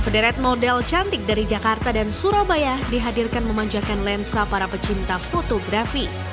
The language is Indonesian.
sederet model cantik dari jakarta dan surabaya dihadirkan memanjakan lensa para pecinta fotografi